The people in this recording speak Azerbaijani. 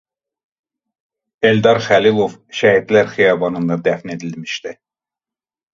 Eldar Xəlilov Şəhidlər xiyabanında dəfn edilmişdir.